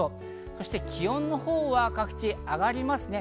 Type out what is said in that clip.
そして、気温のほうは各地上がりますね。